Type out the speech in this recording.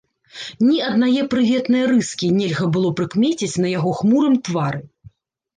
Ні аднае прыветнае рыскі нельга было прыкмеціць на яго хмурым твары.